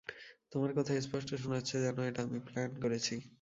তোমার কথায় স্পষ্ট শোনাচ্ছে যেন এটা আমি প্ল্যান করেছি।